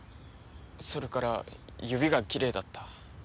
それから指がきれいだった。